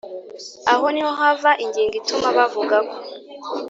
aho ni ho hava ingingo ituma bavuga ko